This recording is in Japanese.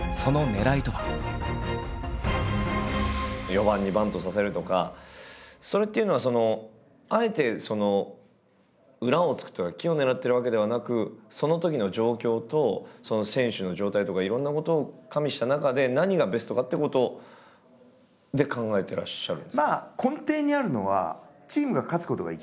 ４番にバントさせるとかそれっていうのはあえて裏をつくというか奇をてらってるわけではなくそのときの状況と選手の状態とかいろんなことを加味した中で何がベストかっていうことで考えてらっしゃるんですか？